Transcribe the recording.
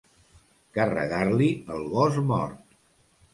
Carregar-li el gos mort.